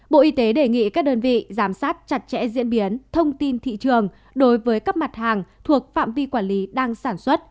bộ y tế đề nghị các đơn vị giám sát chặt chẽ diễn biến thông tin thị trường đối với các mặt hàng thuộc phạm vi quản lý đang sản xuất